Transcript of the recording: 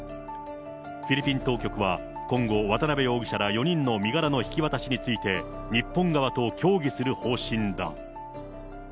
フィリピン当局は、今後、渡辺容疑者ら４人の身柄の引き渡しについて、日本側と協議する方針だ。